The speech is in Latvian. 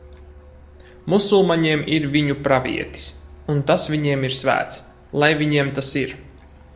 Musulmaņiem ir viņu pravietis. Un tas viņiem ir svēts. Lai viņiem tas ir!